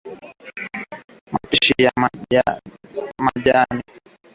mapishi ya majani ya viazi lishe matembele